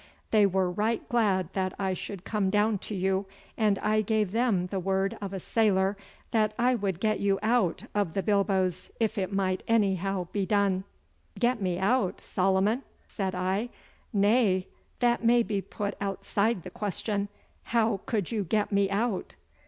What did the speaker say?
They were right glad that I should come down to you, and I gave them the word of a sailor that I would get you out of the bilboes if it might anyhow be done.' 'Get me out, Solomon!' said I; 'nay, that may be put outside the question. How could you get me out?